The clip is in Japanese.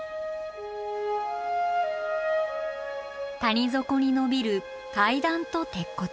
谷底にのびる階段と鉄骨。